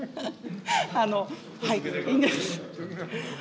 いいんです。